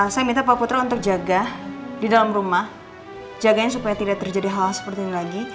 saya minta pak putra untuk jaga di dalam rumah jagain supaya tidak terjadi hal seperti ini lagi